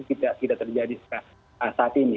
tidak terjadi saat ini